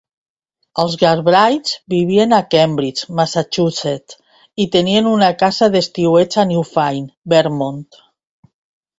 Els Galbraiths vivien a Cambridge, Massachusetts, i tenien una casa d'estiueig a Newfane, Vermont.